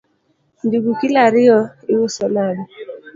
Njugu kilo ariyo iuso nade?